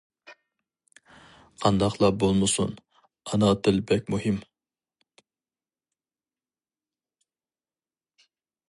قانداقلا بولمىسۇن، ئانا تىل بەك مۇھىم.